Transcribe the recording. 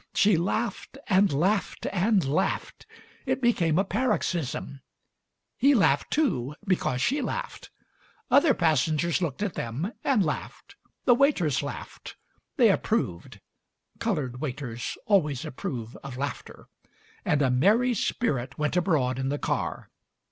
She laughed and laughed and laughed. It became a paroxysm. He laughed, too, because she laughed. Other passengers looked at them and laughed. Hie waiters laughed; they approved — coloured waiters always approve of laughter — and a merry spirit went abroad in the car.